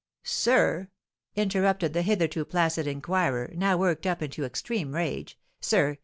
"Sir!" interrupted the hitherto placid inquirer, now worked up into extreme rage, "Sir!